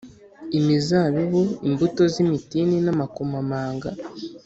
imizabibu, imbuto z’imitini n’amakomamanga,